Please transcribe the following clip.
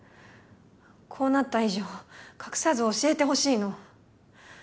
こうなった以上隠さず教えてほしいの。